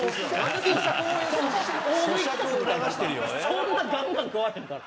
そんなガンガン食わへんから。